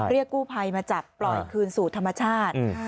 กู้ภัยมาจับปล่อยคืนสู่ธรรมชาติ